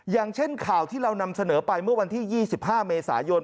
อย่างเช่นข่าวที่เรานำเสนอไปเมื่อวันที่๒๕เมษายน